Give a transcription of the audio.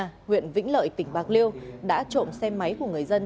công an huyện vĩnh lợi tỉnh bạc liêu đã trộm xe máy của người dân